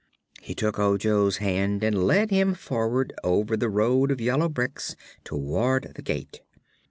He took Ojo's hand and led him forward over the road of yellow bricks, toward the gate.